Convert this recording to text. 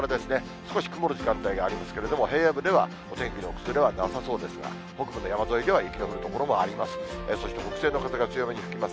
少し曇る時間帯がありますけれども、平野部ではお天気の崩れはなさそうですから、北部の山沿いでは、雪の降る所もあります。